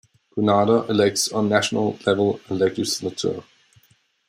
Grenada elects on national level a legislature.